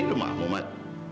ini rumahmu mat